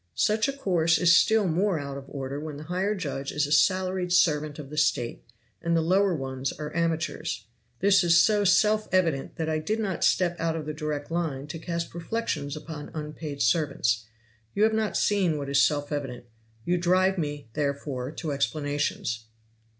Such a course is still more out of order when the higher judge is a salaried servant of the State and the lower ones are amateurs. This was so self evident that I did not step out of the direct line to cast reflections upon unpaid servants. You have not seen what is self evident you drive me, therefore, to explanations.